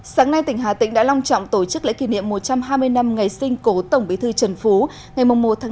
sáng nay tỉnh hà tĩnh đã long trọng tổ chức lễ kỷ niệm một trăm hai mươi năm ngày sinh cổ tổng bế thư trần phú ngày một một năm một nghìn chín trăm linh bốn